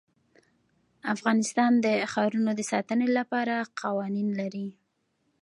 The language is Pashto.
افغانستان د ښارونه د ساتنې لپاره قوانین لري.